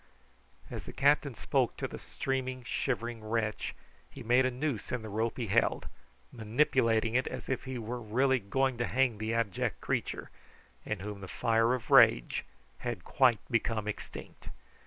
As the captain spoke to the streaming, shivering wretch he made a noose in the rope he held, manipulating it as if he were really going to hang the abject creature, in whom the fire of rage had quite become extinct.